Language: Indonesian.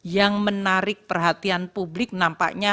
yang menarik perhatian publik nampaknya